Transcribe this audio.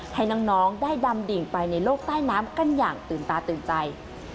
ให้น้องได้ดำดิ่งไปในโลกใต้น้ำกันอย่างตื่นตาตื่นใจ